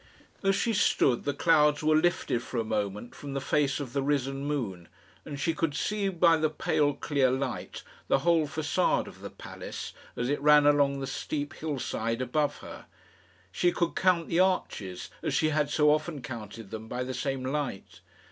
As she stood the clouds were lifted for a moment from the face of the risen moon, and she could see by the pale clear light the whole facade of the palace as it ran along the steep hillside above her. She could count the arches, as she had so often counted them by the same light.